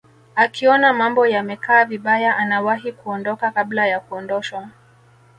akiona mambo yamekaa vibaya anawahi kuondoka kabla ya kuondoshwa